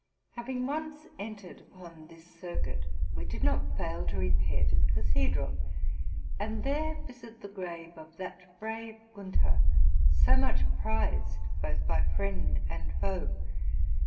Having once entered upon this cireuit, we did not fail to repair to the cathedral, and there visit the grave of that brave Gunther, so much prized both by friend and foe.